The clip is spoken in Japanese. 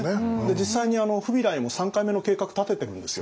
実際にフビライも３回目の計画立ててるんですよ。